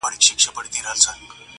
د طالع ستوری یې پټ دی بخت یې تور دی!